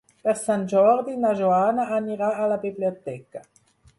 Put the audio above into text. Per Sant Jordi na Joana anirà a la biblioteca.